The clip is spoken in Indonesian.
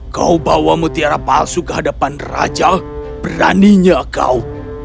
kau bawa mutiara palsu ke hadapan raja beraninya kau